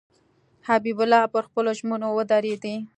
حبیب الله پر خپلو ژمنو ودرېدی.